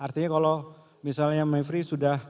artinya kalau misalnya mevri sudah